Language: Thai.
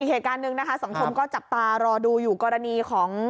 เหตุการณ์หนึ่งนะคะสังคมก็จับตารอดูอยู่กรณีของ